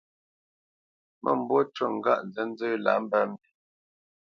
Mə́mbû ncu ŋgâʼ nzənzə́ lǎ mbə mbî.